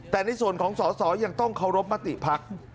แต่ในส่วนของสอสอยังต้องเคารพมติภักดิ์